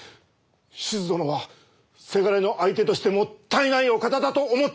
しず殿はせがれの相手としてもったいないお方だと思っております！